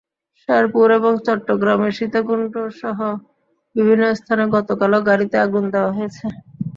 শেরপুর এবং চট্টগ্রামের সীতাকুণ্ডসহ বিভিন্ন স্থানে গতকালও গাড়িতে আগুন দেওয়া হয়েছে।